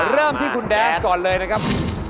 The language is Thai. เริ่มที่คุณแดนส์ก่อนเลยนะครับ